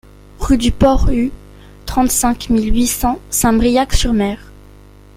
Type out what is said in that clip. Rue du Port-Hue, trente-cinq mille huit cents Saint-Briac-sur-Mer